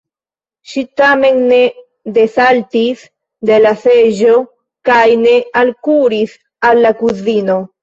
Ŝi tamen ne desaltis de la seĝo kaj ne alkuris al la kuzino.